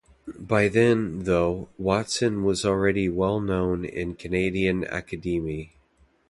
By then, though, Watson was already well known in Canadian academe.